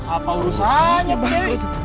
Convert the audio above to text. apa urusannya bangkrut